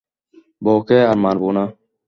বউকে আর মারবো না।